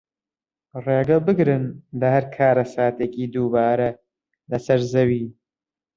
ڕێگەبگرن لە هەر کارەساتێکی دووبارە لەسەر زەوی